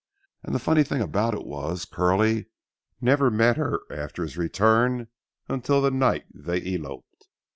And the funny thing about it was, Curly never met her after his return until the night they eloped.